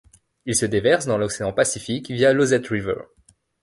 Il se déverse dans l'océan Pacifique via l'Ozette River.